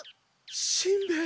しんべヱ。